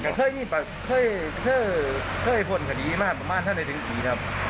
เคยมีประเคยเคยเคยพ่นคดีมาประมาณถ้าได้ถึงอีกครับ